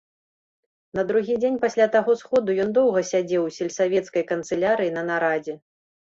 На другі дзень пасля таго сходу ён доўга сядзеў у сельсавецкай канцылярыі на нарадзе.